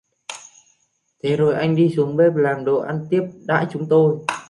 Thế rồi anh đi xuống bếp làm đồ ăn tiếp đãi chúng tôi